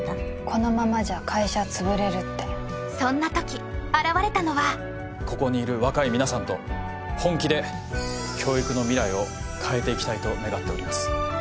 このままじゃ会社潰れるってそんな時現れたのはここにいる若い皆さんと本気で教育の未来を変えていきたいと願っております